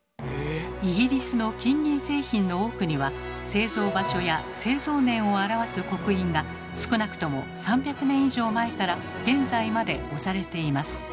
イギリスの金銀製品の多くには製造場所や製造年を表す刻印が少なくとも３００年以上前から現在まで押されています。